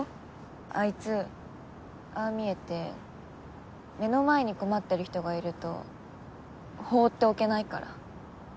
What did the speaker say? あいつああ見えて目の前に困ってる人がいると放っておけないから。